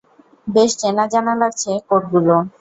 বেশ চেনাজানা লাগছে কোডগুলো!